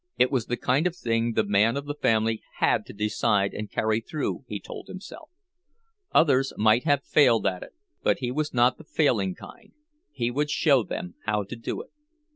It was the kind of thing the man of the family had to decide and carry through, he told himself. Others might have failed at it, but he was not the failing kind—he would show them how to do it.